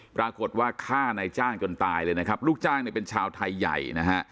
ปรากฏว่าฆ่านายจ้างจนตายเลยนะครับลูกจ้างเนี่ยเป็นชาวไทยใหญ่นะฮะ